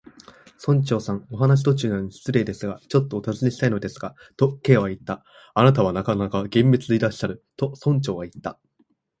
「村長さん、お話の途中なのに失礼ですが、ちょっとおたずねしたいのですが」と、Ｋ はいった。「あなたはなかなか厳密でいらっしゃる」と、村長はいった。